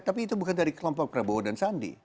tapi itu bukan dari kelompok prabowo dan sandi